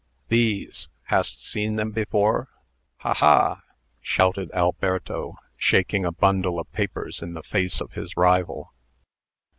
"These! Hast seen them before? Ha! ha!" shouted Alberto, shaking a bundle of papers in the face of his rival.